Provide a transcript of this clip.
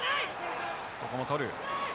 ここも捕る。